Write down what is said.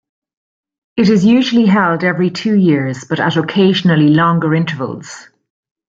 It is usually held every two years, but at occasionally longer intervals.